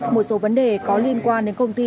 một số vấn đề có liên quan đến công ty